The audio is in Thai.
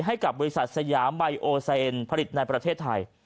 ให้กับบริษัทสยามไบโอเซนผลิตในประเทศไทย